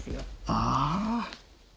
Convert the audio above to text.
ああ。